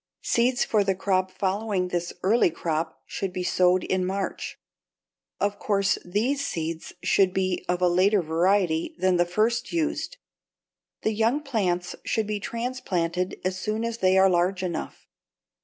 Seeds for the crop following this early crop should be sowed in March. Of course these seeds should be of a later variety than the first used. The young plants should be transplanted as soon as they are large enough.